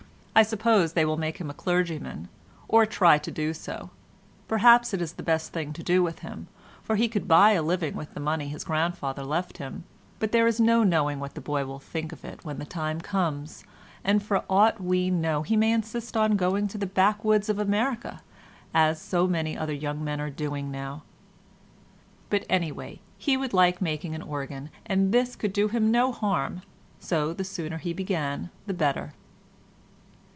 I suppose they will make him a clergyman, or try to do so—perhaps it is the best thing to do with him, for he could buy a living with the money his grandfather left him, but there is no knowing what the boy will think of it when the time comes, and for aught we know he may insist on going to the backwoods of America, as so many other young men are doing now." ... But, anyway, he would like making an organ, and this could do him no harm, so the sooner he began the better.